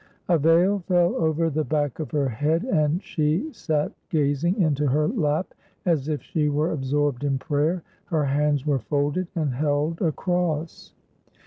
A veil fell over the back of her head and she sat gazing into her lap as if she were absorbed in prayer; her hands were folded and held a cross.